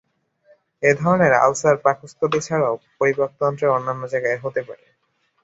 এ ধরনের আলসার পাকস্থলী ছাড়াও পরিপাকতন্ত্রের অন্যান্য জায়গায় হতে পারে।